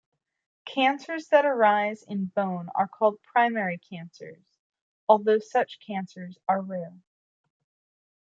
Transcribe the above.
Cancers that arise in bone are called "primary" cancers, although such cancers are rare.